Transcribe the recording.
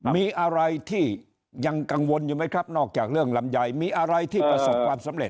มีอะไรที่ยังกังวลอยู่ไหมครับนอกจากเรื่องลำไยมีอะไรที่ประสบความสำเร็